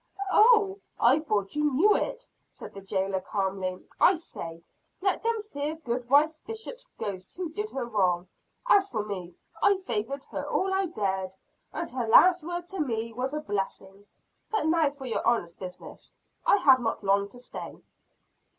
"Oh, I thought you knew it," said the jailer calmly. "I say, let them fear goodwife Bishop's ghost who did her wrong. As for me, I favored her all I dared; and her last word to me was a blessing. But now for your honor's business, I have not long to stay."